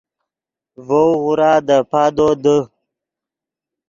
ڤؤ غورا دے پادو دے